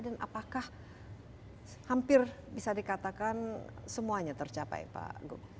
dan apakah hampir bisa dikatakan semuanya tercapai pak